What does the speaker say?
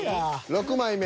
６枚目。